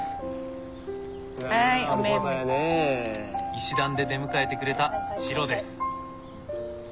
石段で出迎えてくれたチロです。